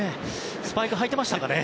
スパイクを履いてましたかね